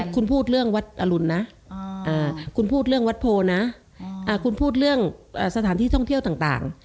คุณพูดเรื่องวัดอรุณนะคุณพูดเรื่องวัดโพนะคุณพูดเรื่องสถานที่ท่องเที่ยวต่าง